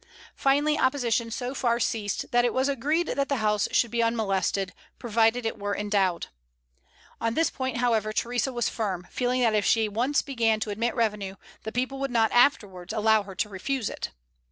Finally, opposition so far ceased that it was agreed that the house should be unmolested, provided it were endowed. On this point, however, Theresa was firm, feeling that if she once began to admit revenue, the people would not afterwards allow her to refuse it.